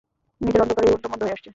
নিজের অন্ধকারেই ওর দম বন্ধ হয়ে আসছে।